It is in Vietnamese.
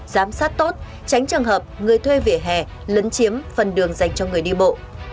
giám sát tốt tránh trường hợp người thuê vỉa hè lấn chiếm phần đường dành cho người đi bộ